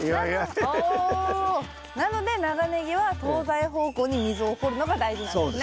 おなので長ネギは東西方向に溝を掘るのが大事なんですね。